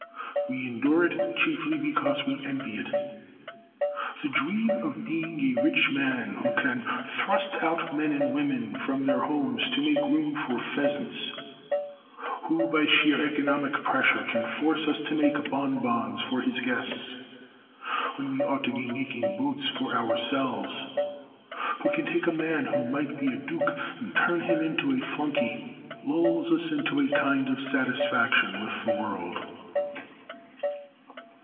We endure it chiefly because we envy it. The dream of being a rich man who can thrust out men and women from their homes to make room for pheasants, who by sheer economic pressure can force us to make bonbons for his guests when we ought to be making boots for ourselves, who can take a man who might be a duke and turn him into a flunkey, lulls us into a kind of satisfaction with the world.